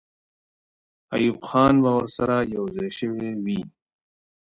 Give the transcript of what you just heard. ایوب خان به ورسره یو ځای سوی وي.